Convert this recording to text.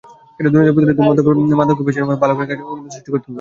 দুর্নীতি প্রতিরোধে মন্দকে পেছনে ফেলে ভালোকে কাছে টানার অনুভূতি সৃষ্টি করতে হবে।